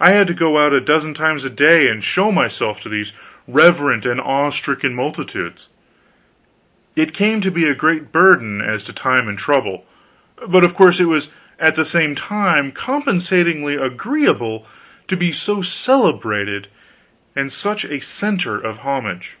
I had to go out a dozen times a day and show myself to these reverent and awe stricken multitudes. It came to be a great burden, as to time and trouble, but of course it was at the same time compensatingly agreeable to be so celebrated and such a center of homage.